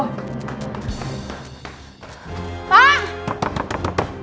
gue bakal beluar